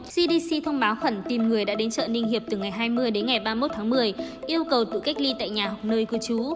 cdc thông báo khẩn tìm người đã đến chợ ninh hiệp từ ngày hai mươi đến ngày ba mươi một tháng một mươi yêu cầu tự cách ly tại nhà hoặc nơi cư trú